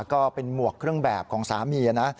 ก็เป็นหมวกเครื่องแบบของสามีนะ